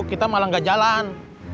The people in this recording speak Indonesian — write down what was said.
kita malah gak jalan